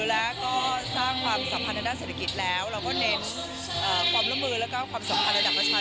และก็สร้างความสัมพันธ์ในด้านเศรษฐกิจแล้ว